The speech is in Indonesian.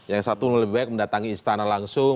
atau lebih baik mendatangi istana langsung